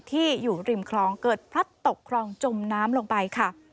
ที่อยู่ริมคลองเกิดพลัดตกคลองจมน้ำลงไปค่ะ